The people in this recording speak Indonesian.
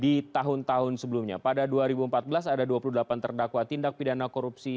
di tahun tahun sebelumnya pada dua ribu empat belas ada dua puluh delapan terdakwa tindak pidana korupsi